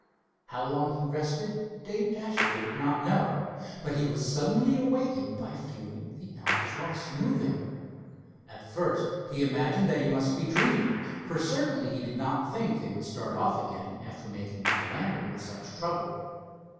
How long he rested Dave Dashaway did not know, but he was suddenly awakened by feeling the Albatross moving. At first he imagined that he must be dreaming, for certainly he did not think they would start off again after making a landing with such trouble.